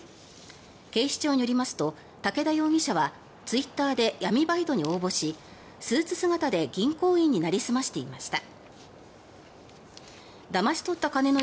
警視庁によりますと武田容疑者はツイッターで闇バイトに応募しスーツ姿で銀行員になりすましていました。